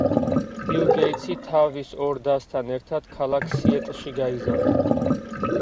ბილ გეიტსი თავის ორ დასთან ერთად ქალაქ სიეტლში გაიზარდა.